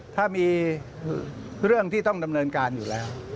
ถ้ามีเรื่องที่ต้องดำเนินการอยู่แล้ว